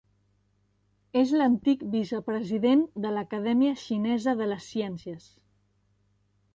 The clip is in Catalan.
És l'antic vicepresident de l'Acadèmia Xinesa de les Ciències.